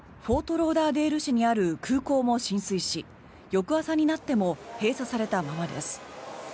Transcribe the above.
ローダーデール市にある空港も浸水し翌朝になっても閉鎖されたままです。